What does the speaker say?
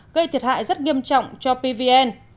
gây thiệt hại rất nghiêm trọng cho pvn